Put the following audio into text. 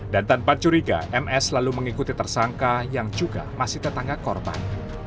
dan tanpa curiga ms lalu mengikuti tersangka yang juga masih tetangga korban